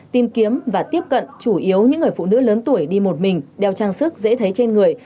tìm kiếm và tiếp cận chủ yếu những người phụ nữ lớn tuổi đi một mình đeo trang sức dễ thấy trên người